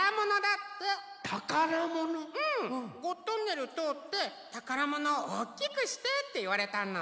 ゴットンネルとおってたからものをおっきくしてっていわれたの。